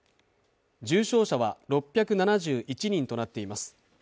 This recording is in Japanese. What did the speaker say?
重症者は６７１人となっています。